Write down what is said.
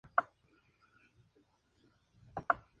El equipo utilizaba bicicletas Python.